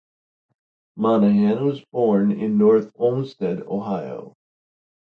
Monahan was born in North Olmsted, Ohio.